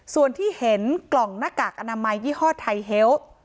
ส่วนที่เห็นกล่องหน้ากากอนามัยยี่ห้อไทเฮลต์